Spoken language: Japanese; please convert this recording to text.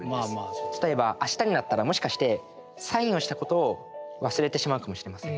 例えば明日になったらもしかしてサインをしたことを忘れてしまうかもしれません。